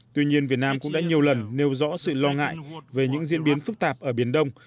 tuy nhiên việt nam cũng đã nhiều lần nêu rõ sự lo ngại về những diễn biến phức tạp ở biển đông